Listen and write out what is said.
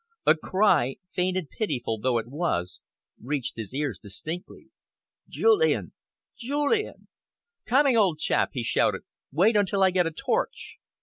A cry, faint and pitiful though it was, reached his ears distinctly. "Julian! Julian!" "Coming, old chap," he shouted. "Wait until I get a torch."